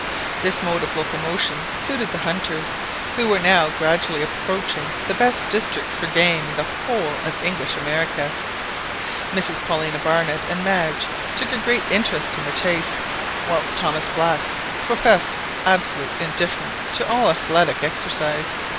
This mode of locomotion suited the hunters, who were now gradually approaching the best districts for game in the whole of English America. Mrs Paulina Barnett and Madge took a great interest in the chase, whilst Thomas Black professed absolute indifference to all athletic exercise.